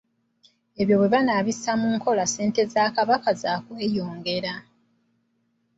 Ebyo bwe banaabissa mu nkola ssente za Kabaka zaakweyongera.